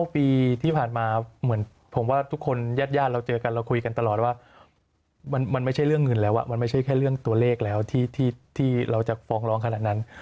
ปีที่ผ่านมาเหมือนผมว่าทุกคนญาติญาติเราเจอกันเราคุยกันตลอดว่ามันไม่ใช่เรื่องเงินแล้วมันไม่ใช่แค่เรื่องตัวเลขแล้วที่เราจะฟ้องร้องขนาดนั้น